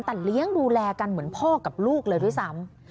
แต่เลี้ยงดูแลกันเหมือนพ่อกับลูกเลยด้วยซ้ำ